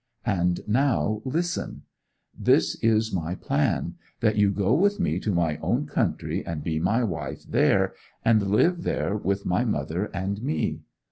And now listen. This is my plan. That you go with me to my own country, and be my wife there, and live there with my mother and me.